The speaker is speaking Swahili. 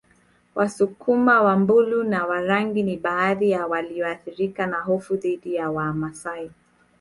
Wasukuma Wambulu na Warangi ni baadhi ya walioathirika na hofu dhidi ya Wamasai